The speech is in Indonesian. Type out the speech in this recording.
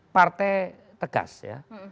partai tegas ya